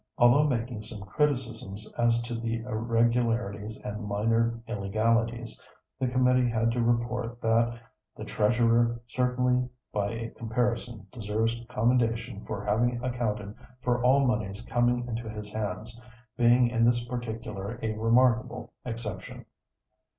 Although making some criticisms as to irregularities and minor illegalities, the committee had to report that "the Treasurer certainly by a comparison deserves commendation for having accounted for all moneys coming into his hands, being in this particular a remarkable exception."